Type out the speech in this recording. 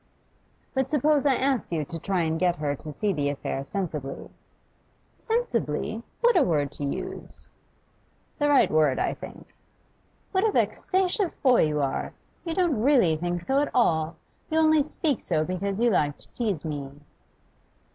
'But suppose I ask you to try and get her to see the affair sensibly?' 'Sensibly? What a word to use!' 'The right word, I think.' 'What a vexatious boy you are! You don't really think so at all. You only speak so because you like to tease me.